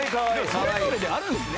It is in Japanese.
それぞれであるんですね。